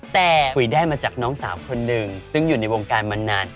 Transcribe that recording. แต่ปุ๋ยได้มาจากน้องสาวคนหนึ่งซึ่งอยู่ในวงการมานาน